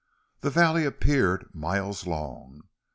The valley appeared miles long.